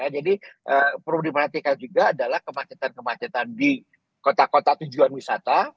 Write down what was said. jadi perlu diperhatikan juga adalah kemacetan kemacetan di kota kota tujuan wisata